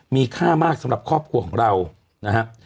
มีค่ามากสำหรับครอบครัวของเรานะครับ